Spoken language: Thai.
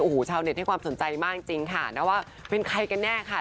โอ้โหชาวเน็ตให้ความสนใจมากจริงค่ะนะว่าเป็นใครกันแน่ค่ะ